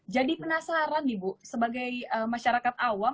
jadi penasaran nih bu sebagai masyarakat awam